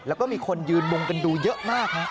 แล้วก็มีคนยืนมุงกันดูเยอะมากฮะ